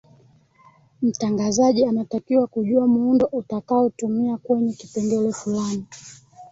mtangazaji anatakiwa kujua muundo utakaotumia kwenye kipengele fulani